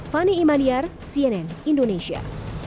fani iman yar cnn indonesia